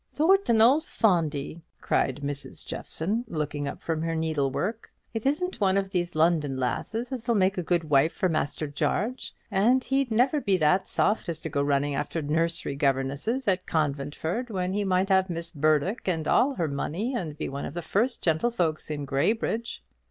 "Thoo'rt an old fondy!" cried Mrs. Jeffson, looking up from her needlework. "It isn't one of these London lasses as'll make a good wife for Master Jarge; and he'd never be that soft as to go running after nursery governesses at Conventford, when he might have Miss Burdock and all her money, and be one of the first gentlefolks in Graybridge."